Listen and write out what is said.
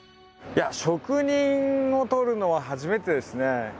いや職人を撮るのは初めてですね。